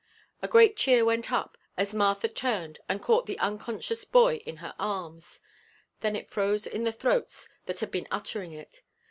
A great cheer went up as Martha turned and caught the unconscious boy in her arms, then it froze in the throats that had been uttering it.